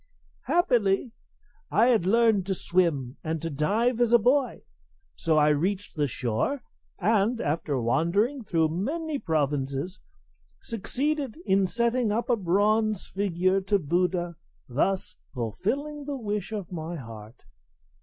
"Happily," continued the priest, "I had learned to swim and to dive as a boy; so I reached the shore, and, after wandering through many provinces, succeeded in setting up a bronze figure to Buddha, thus fulfilling the wish of my heart.